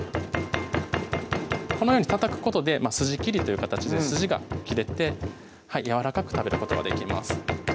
このようにたたくことで筋切りという形で筋が切れてやわらかく食べることができます